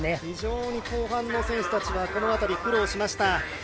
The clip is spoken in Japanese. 非常に後半の選手たちはこの辺りに苦労しました。